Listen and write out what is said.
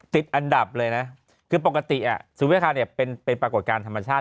ติดอันดับเลยนะคือปกติสุวิราคาเนี่ยเป็นปรากฏการณ์ธรรมชาติ